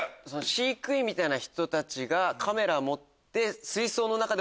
飼育員みたいな人たちがカメラ持って。